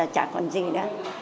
chả còn gì nữa